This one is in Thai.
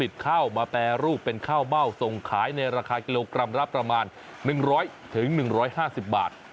ข้าวมาแปรรูปเป็นข้าวเม่าส่งขายในราคากิโลกรัมละประมาณ๑๐๐๑๕๐บาท